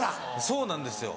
そうなんですよ。